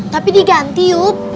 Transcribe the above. tapi diganti yuk